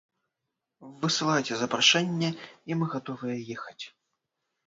Высылайце запрашэнне і мы гатовыя ехаць.